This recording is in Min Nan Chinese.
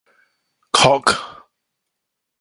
硞